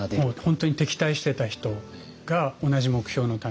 本当に敵対してた人が同じ目標のために。